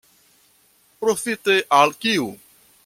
Profite al kiu?